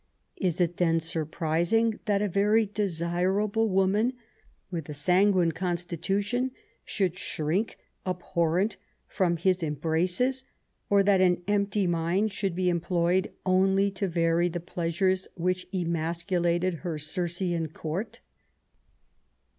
Is it then surprising that a very desirable woman, with a sanguine constitution, should shiink, abhorrent, from his em braces ; or that an empty mind should be employed only to vary the pleasures which emasculated her Oircean court